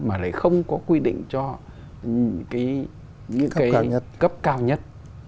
mà lại không có quy định cho thời cấp cao nhất